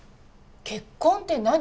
結婚って何？